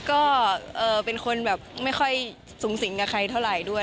ก็เป็นคนแบบไม่ค่อยสูงสิงกับใครเท่าไหร่ด้วย